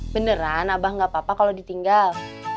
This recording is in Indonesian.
beneran abah gak apa apa kalau ditinggal